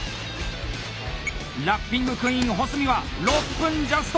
ラッピングクイーン・保住は６分ジャスト。